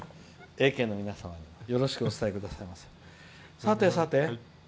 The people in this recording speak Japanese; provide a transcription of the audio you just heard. ＡＫの皆様へよろしくお伝えくださいませ。